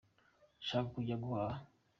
Ndashaka kujya guhaha.